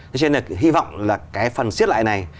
thế nên là hy vọng là cái phần xiết lại này